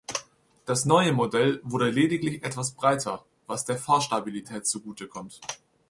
Das neue Modell wurde lediglich etwas breiter, was der Fahrstabilität zugutekommt.